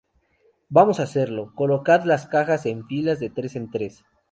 vamos a hacerlo. colocad las cajas en filas de tres en tres.